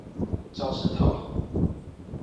肇事逃逸